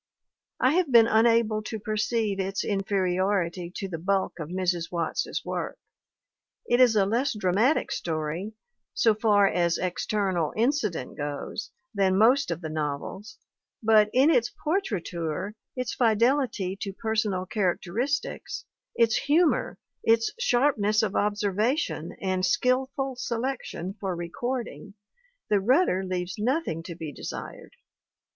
I have been unable to perceive its in feriority to the bulk of Mrs. Watts's work. It is a less dramatic story, so far as external incident goes, than most of the novels, but in its portraiture, its fidel ity to personal characteristics, its humor, its sharpness of observation and skillful selection for recording, The Rudder leaves nothing to be desired.